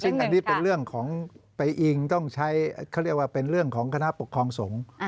ซึ่งอันนี้เป็นเรื่องของไปอิงต้องใช้เขาเรียกว่าเป็นเรื่องของคณะปกครองสงฆ์